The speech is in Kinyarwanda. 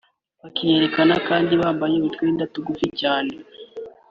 bakiyerekana kandi bambaye utwambaro tugufi cyane